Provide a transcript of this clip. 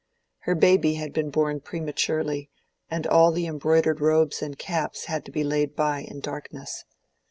Her baby had been born prematurely, and all the embroidered robes and caps had to be laid by in darkness.